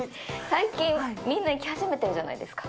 最近、みんな行き始めてるじゃないですか。